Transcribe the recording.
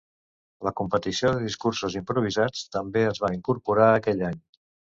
La competició de discursos improvisats també es va incorporar aquell any.